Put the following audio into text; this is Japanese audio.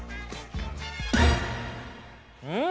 うん！